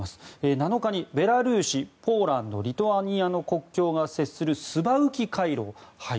７日にベラルーシ、ポーランドリトアニアの国境が接するスバウキ回廊